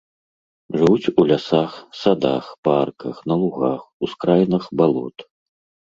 Жывуць у лясах, садах, парках, на лугах, ускраінах балот.